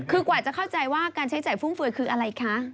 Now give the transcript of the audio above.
คือกว่าจะเข้าใจว่าการใช้จ่ายฟุ่มเฟือยคืออะไรคะ